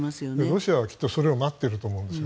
ロシアはきっとそれを待っていると思います。